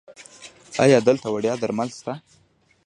ایا دلته وړیا درمل شته؟